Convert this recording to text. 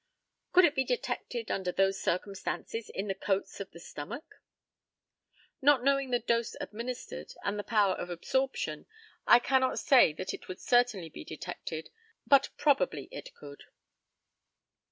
Could it be detected, under those circumstances, in the coats of the stomach? Not knowing the dose administered, and the power of absorption, I cannot say that it could certainly be detected, but probably it could.